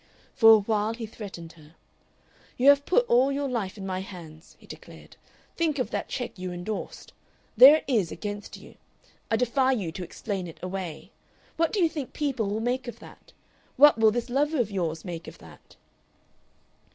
For a while he threatened her. "You have put all your life in my hands," he declared. "Think of that check you endorsed. There it is against you. I defy you to explain it away. What do you think people will make of that? What will this lover of yours make of that?"